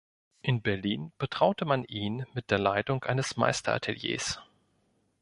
In Berlin betraute man ihn mit der Leitung eines Meisterateliers.